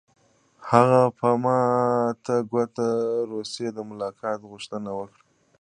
هغه په ماته ګوډه روسي د ملاقات غوښتنه وکړه